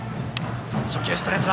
初球、ストレート。